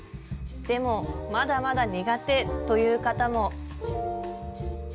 でもまだまだ苦手という方も。